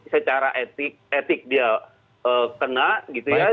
secara etik dia kena gitu ya